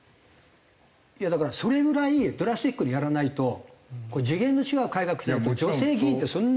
いやだからそれぐらいドラスティックにやらないと次元の違う改革しないと女性議員ってそんな増えない。